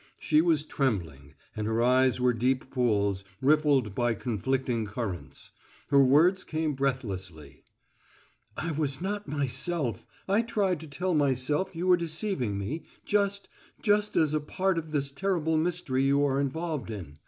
She was trembling, and her eyes were deep pools, riffled by conflicting currents. Her words came breathlessly: "I was not myself I tried to tell myself you were deceiving me just just as a part of this terrible mystery you are involved in.